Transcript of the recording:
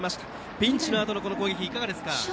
ピンチのあとの攻撃いかがですか。